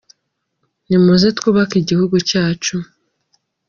Nimuze twubake igihugu cyacu.